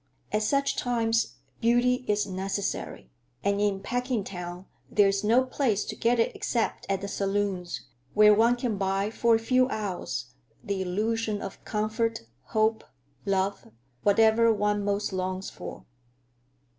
At such times beauty is necessary, and in Packingtown there is no place to get it except at the saloons, where one can buy for a few hours the illusion of comfort, hope, love,—whatever one most longs for.